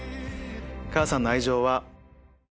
「母さんの愛情は」。